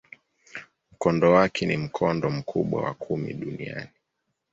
Mkondo wake ni mkondo mkubwa wa kumi duniani.